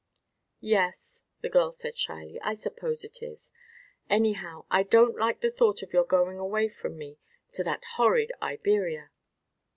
"Yes," the girl said shyly, "I suppose it is. Anyhow, I don't like the thought of your going away from me to that horrid Iberia."